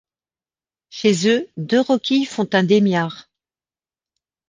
Chez eux, deux roquilles font un demiard.